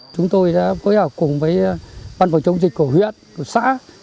chúng tôi đã phối hợp cùng với văn phòng chống dịch của huyện của xã